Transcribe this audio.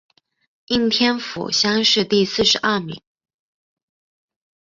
应天府乡试第四十二名。